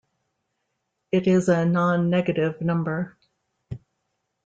It is a nonnegative number.